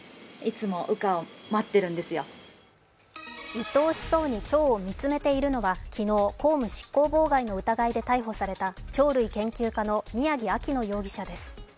愛おしそうにちょうを見つめているのは昨日、公務執行妨害の疑いで逮捕されたチョウ類研究家の宮城秋乃容疑者です。